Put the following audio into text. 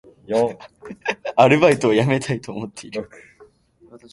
アルバイトを辞めたいと思っている